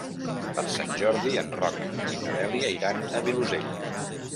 Per Sant Jordi en Roc i na Dèlia iran al Vilosell.